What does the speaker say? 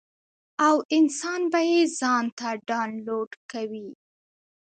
او انسان به ئې ځان ته ډاونلوډ کوي -